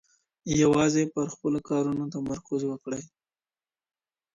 یوازي پر خپلو کارونو تمرکز وکړئ.